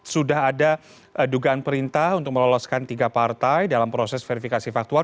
sudah ada dugaan perintah untuk meloloskan tiga partai dalam proses verifikasi faktual